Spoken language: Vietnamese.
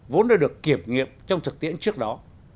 vốn đã được kiểm nghiệm trong thực tiễn trước đó